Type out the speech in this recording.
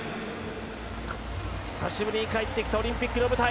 久しぶりに帰ってきたオリンピックの舞台。